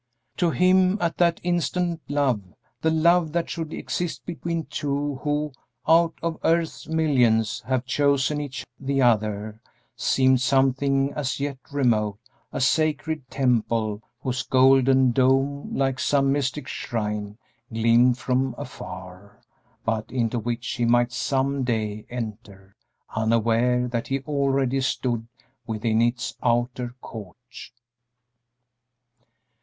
'" To him at that instant love the love that should exist between two who, out of earth's millions, have chosen each the other seemed something as yet remote; a sacred temple whose golden dome, like some mystic shrine, gleamed from afar, but into which he might some day enter; unaware that he already stood within its outer court.